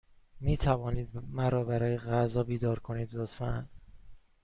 می توانید مرا برای غذا بیدار کنید، لطفا؟